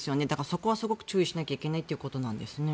そこはすごく注意しなきゃいけないということなんですね。